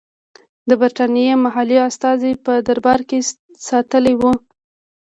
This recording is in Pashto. د برټانیې محلي استازی په دربار کې ساتلی وو.